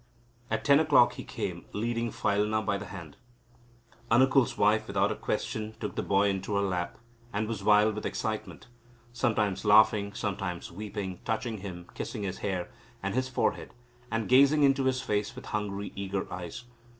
At ten o'clock he came, leading Phailna by the hand. Anukul's wife, without a question, took the boy into her lap, and was wild with excitement, sometimes laughing, sometimes weeping, touching him, kissing his hair and his forehead, and gazing into his face with hungry, eager eyes.